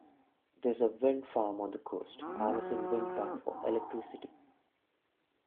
There is a wind farm on the coast, harnessing wind power for electricity.